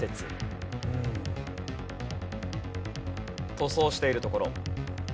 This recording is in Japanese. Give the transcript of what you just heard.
塗装しているところ。